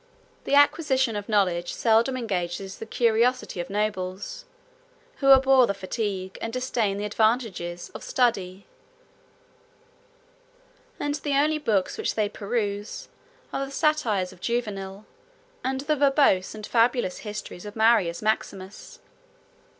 The acquisition of knowledge seldom engages the curiosity of nobles, who abhor the fatigue, and disdain the advantages, of study; and the only books which they peruse are the Satires of Juvenal, and the verbose and fabulous histories of Marius Maximus.